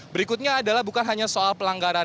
berikutnya adalah bukan hanya soal pelanggaran